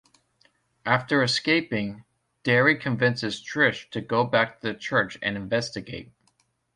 After escaping, Darry convinces Trish to go back to the church and investigate.